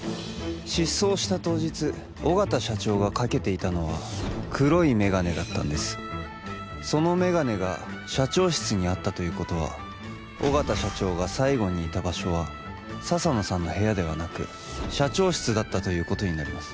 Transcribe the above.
失踪した当日緒方社長がかけていたのは黒いメガネだったんですそのメガネが社長室にあったということは緒方社長が最後にいた場所は笹野さんの部屋ではなく社長室だったということになります